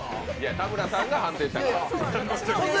田村さんが判定したから。